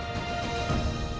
ya bagus kagum gitu ya